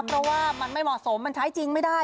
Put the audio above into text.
เพราะว่ามันไม่เหมาะสมมันใช้จริงไม่ได้